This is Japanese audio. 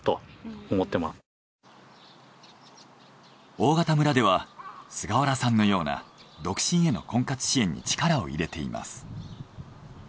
大潟村では菅原さんのような独身への婚活支援に力を入れています。